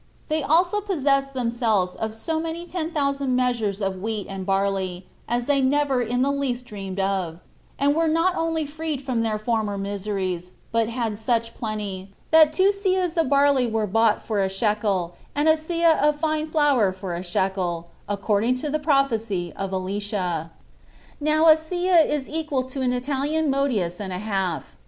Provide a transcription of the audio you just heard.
They also possessed themselves of [so many] ten thousand measures of wheat and barley, as they never in the least dreamed of; and were not only freed from their former miseries, but had such plenty, that two seahs of barley were bought for a shekel, and a seah of fine flour for a shekel, according to the prophecy of Elisha. Now a seah is equal to an Italian modius and a half.